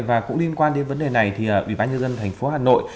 và cũng liên quan đến vấn đề này thì ủy ban nhân dân tp hà nội